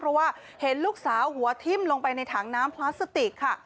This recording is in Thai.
เพราะว่าเห็นลูกสาวหัวทิ้มลงไปในถังน้ำพลาสติกค่ะ